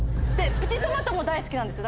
プチトマトも大好きなんですよ。